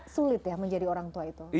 sulit ya menjadi orang tua itu